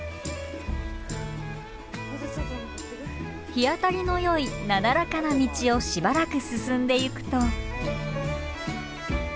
日当たりのよいなだらかな道をしばらく進んでゆくと。